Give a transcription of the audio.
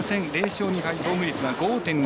０勝２敗、防御率は５．６８。